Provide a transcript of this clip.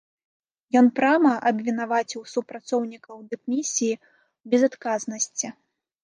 Ён прама абвінаваціў супрацоўнікаў дыпмісіі ў безадказнасці.